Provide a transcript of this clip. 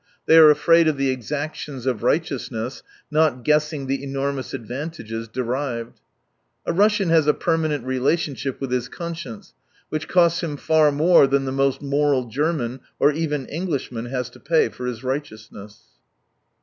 They are afraid of the exactions of righteousness, not guessing the enormous advantages derived. A Rus sian has a permanent relationship with his conscience, which costs him far more than the most moral German, or even Englishman, has to pay for his righteous ness.